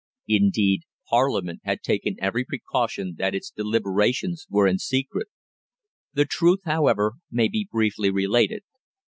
Indeed, Parliament had taken every precaution that its deliberations were in secret. The truth, however, may be briefly related.